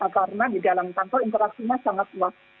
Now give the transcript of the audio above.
karena di dalam kantor interaksinya sangat luas